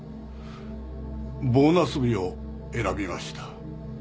ボーナス日を選びました。